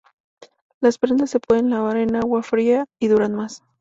Las prendas se pueden lavar en agua fría y duran más.